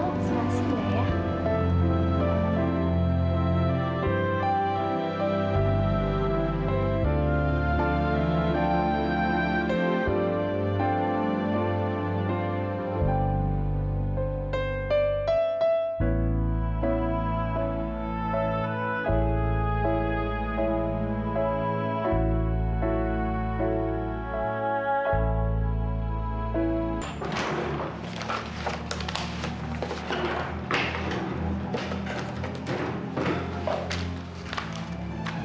terima kasih mbak ya